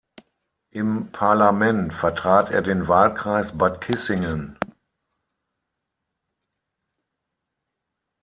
Im Parlament vertrat er den Wahlkreis Bad Kissingen.